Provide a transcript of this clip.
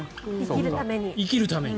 生きるために。